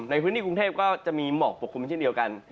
ในพื้นที่กรุงเทพก็จะมีหมอกปกคลุมเช่นเดียวกัน